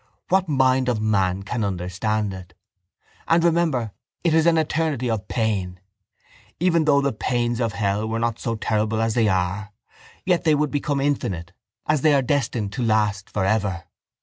What mind of man can understand it? And remember, it is an eternity of pain. Even though the pains of hell were not so terrible as they are, yet they would become infinite, as they are destined to last for ever.